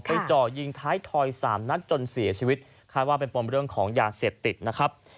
จ่อยิงท้ายทอยสามนัดจนเสียชีวิตคาดว่าเป็นปมเรื่องของยาเสพติดนะครับ